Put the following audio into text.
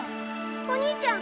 お兄ちゃん